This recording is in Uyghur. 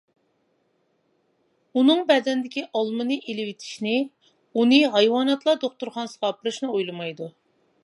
ئۇنىڭ بەدىنىدىكى ئالمىنى ئېلىۋېتىشنى، ئۇنى ھايۋاناتلار دوختۇرخانىسىغا ئاپىرىشنى ئويلىمايدۇ.